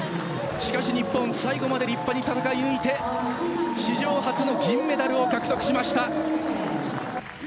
しかし日本最後まで立派に戦い抜いて史上初の銀メダルを獲得しました。